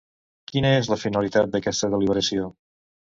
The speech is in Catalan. Quina és la finalitat d'aquesta deliberació?